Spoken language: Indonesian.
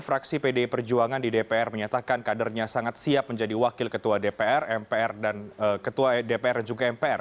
fraksi pdi perjuangan di dpr menyatakan kadernya sangat siap menjadi wakil ketua dpr mpr dan ketua dpr juga mpr